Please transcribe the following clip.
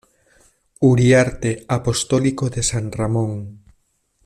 Uriarte Apostólico de San Ramón.